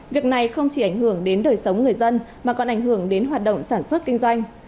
việc này không chỉ ảnh hưởng đến đời sống người dân mà còn ảnh hưởng đến hoạt động sản xuất kinh doanh